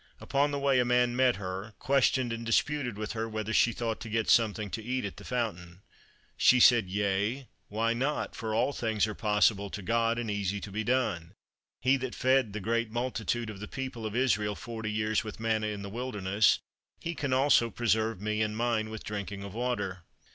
Upon the way a man met her, questioned and disputed with her whether she thought to get something to eat at the fountain. She said, "Yea, why not? for all things are possible to God and easy to be done; he that fed the great multitude of the people of Israel forty years with manna in the wilderness, he can also preserve me and mine with drinking of water."